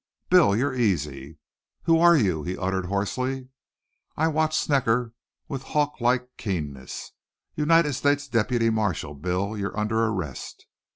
"Bill, you're easy." "Who're you?" he uttered hoarsely. I watched Snecker with hawk like keenness. "United States deputy marshal. Bill, you're under arrest!"